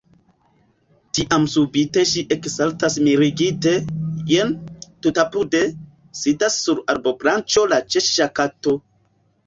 Tiam subite ŝi eksaltas mirigite; jen, tutapude, sidas sur arbobranĉo la Ĉeŝŝa kato.